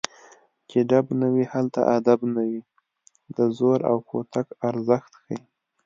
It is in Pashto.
چې ډب نه وي هلته ادب نه وي د زور او کوتک ارزښت ښيي